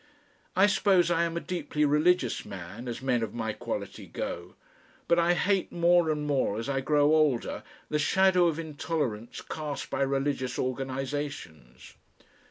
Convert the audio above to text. I suppose I am a deeply religious man, as men of my quality go, but I hate more and more, as I grow older, the shadow of intolerance cast by religious organisations.